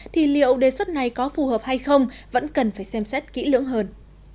thì liệu đề xuất này có phù hợp hay không vẫn cần phải xem xét kỹ lưỡng hơn